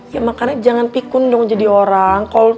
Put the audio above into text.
ya makanya jangan pikun dong jadi orang